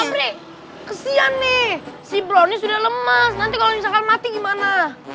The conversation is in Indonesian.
eh sobri kesian nih si brownie sudah lemes nanti kalau misalkan mati gimana